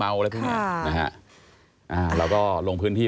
เราก็เราลงพื้นที่